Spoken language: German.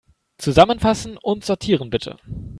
Zusammenfassen und sortieren, bitte.